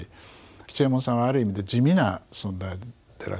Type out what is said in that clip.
吉右衛門さんはある意味で地味な存在でらしたしね。